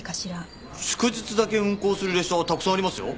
祝日だけ運行する列車はたくさんありますよ。